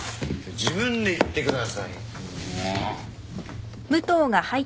自分で行ってください。もうっ。